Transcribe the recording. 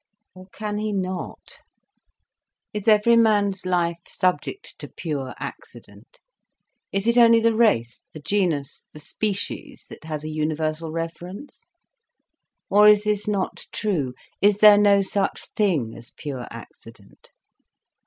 Or can he not? Is every man's life subject to pure accident, is it only the race, the genus, the species, that has a universal reference? Or is this not true, is there no such thing as pure accident?